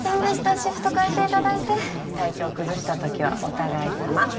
シフト変えていただいて体調崩した時はお互いさま